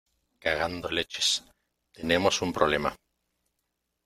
cagando leches. tenemos un problema .